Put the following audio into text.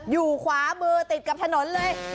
อยู่ขวามือติดกับถนนเลย